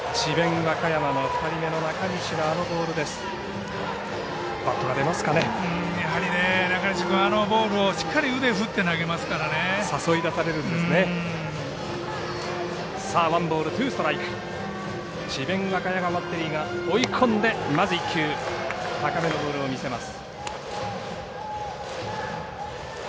和歌山バッテリーが追い込んでまず１球高めのボールを見せます。